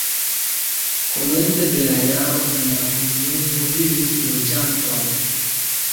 Komence de la jaro en la komunumo vivis loĝantoj.